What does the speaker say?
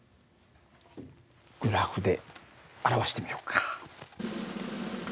グラフで表してみようか。